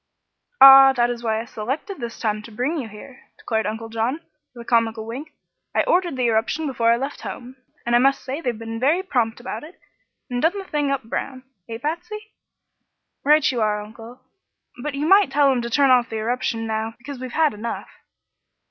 "Ah, that is why I selected this time to bring you here," declared Uncle John, with a comical wink. "I ordered the eruption before I left home, and I must say they've been very prompt about it, and done the thing up brown. Eh, Patsy?" "Right you are, Uncle. But you might tell 'em to turn off the eruption now, because we've had enough."